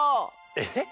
えっ？